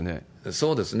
そうですね。